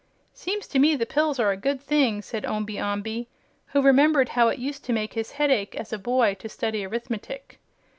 "Seems to me the pills are a good thing," said Omby Amby, who remembered how it used to make his head ache as a boy to study arithmetic.